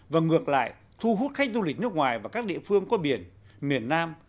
và ngược lại thu hút khách du lịch nước ngoài và các địa phương có biển miền nam